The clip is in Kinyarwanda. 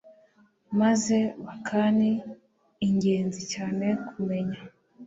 maze bakaNi ingenzi cyane kumenya